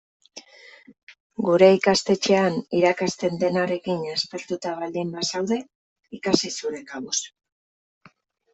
Gure ikastetxean irakasten denarekin aspertuta baldin bazaude, ikasi zure kabuz.